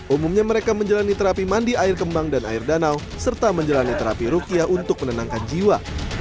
umumnya mereka menjalani terapi mandi air kembang dan air danau serta menjalani terapi rukyah untuk menenangkan jiwa